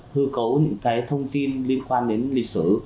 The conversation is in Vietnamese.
hư cấu những cái thông tin liên quan đến lịch sử